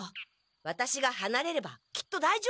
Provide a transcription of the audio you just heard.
ワタシがはなれればきっとだいじょうぶ。